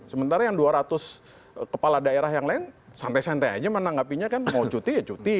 sementara yang dua ratus kepala daerah yang lain santai santai aja menanggapinya kan mau cuti ya cuti